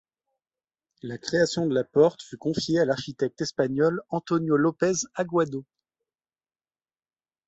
La création de la porte fut confiée à l'architecte espagnol Antonio López Aguado.